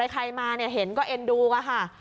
ใครมาเห็นก็เอ็นดูค่ะ